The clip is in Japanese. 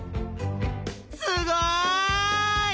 すごい！